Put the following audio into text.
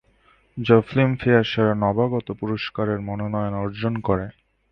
যা ফিল্মফেয়ার সেরা নবাগত পুরস্কারের মনোনয়ন অর্জন করে।